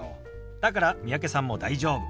だから三宅さんも大丈夫。